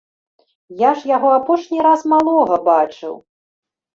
Я ж яго апошні раз малога бачыў!